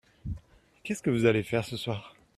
Qu’est-ce que vous allez faire ce soir ?